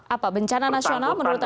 apa bencana nasional menurut anda